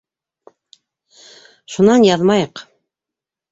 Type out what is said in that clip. Шунан яҙмайыҡ.